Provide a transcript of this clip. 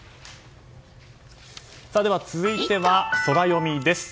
では続いてはソラよみです。